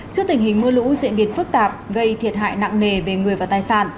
trước tình hình mưa lũ diễn biến phức tạp gây thiệt hại nặng nề về người và tài sản